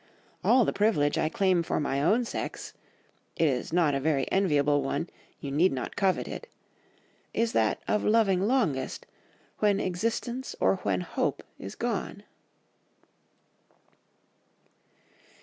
All the privilege I claim for my own sex (it is not a very enviable one, you need not covet it) is that of loving longest, when existence or when hope is gone.